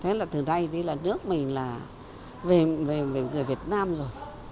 người này đi là nước mình là về người việt nam rồi